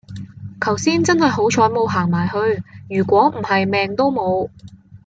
求先真喺好彩冇行埋去如果唔喺命都冇